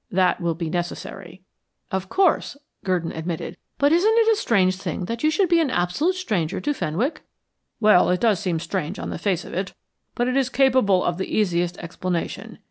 That will be necessary." "Of course," Gurdon admitted. "But isn't it a strange thing that you should be an absolute stranger to Fenwick?" "Well, it does seem strange on the face of it. But it is capable of the easiest explanation.